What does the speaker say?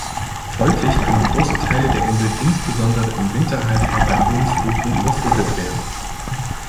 Folglich können große Teile der Insel insbesondere im Winterhalbjahr bei hohen Fluten überflutet werden.